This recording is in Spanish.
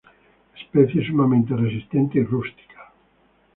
Especie sumamente resistente y rústica.